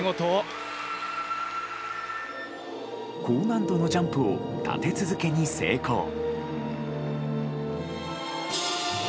高難度のジャンプを立て続けに成功。